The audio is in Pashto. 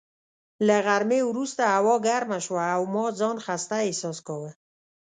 له غرمې وروسته هوا ګرمه شوه او ما ځان خسته احساس کاوه.